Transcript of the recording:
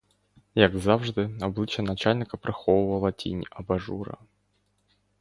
Як завжди, обличчя начальника приховувала тінь абажура.